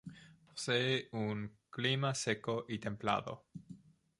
Posee un clima seco y templado.